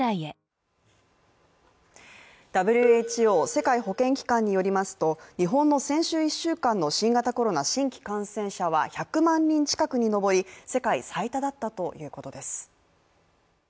ＷＨＯ＝世界保健機関によりますと日本の先週１週間の新型コロナウイルス新規感染者は１００万人近くに上り、世界最多だったということです。